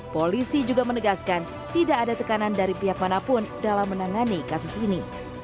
polisi juga menegaskan tidak ada tekanan dari pihak manapun dalam menangani kasus ini